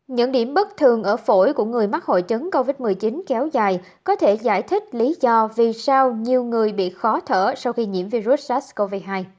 những điểm bất thường ở phổi của người mắc hội chứng covid một mươi chín kéo dài có thể giải thích lý do vì sao nhiều người bị khó thở sau khi nhiễm virus sars cov hai